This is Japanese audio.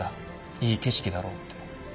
「いい景色だろ」って。